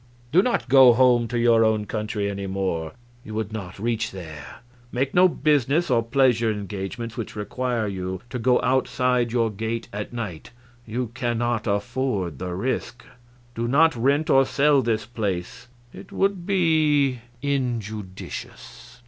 Do not go home to your own country any more you would not reach there; make no business or pleasure engagements which require you to go outside your gate at night you cannot afford the risk; do not rent or sell this place it would be injudicious."